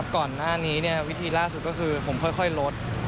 ก่อนหน้านี้วิธีล่าสุดก็คือผมค่อยลด